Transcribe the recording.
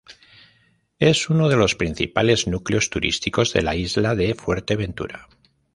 Es uno de los principales núcleos turísticos de la isla de Fuerteventura.